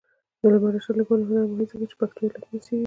د علامه رشاد لیکنی هنر مهم دی ځکه چې پېښو علتونه څېړي.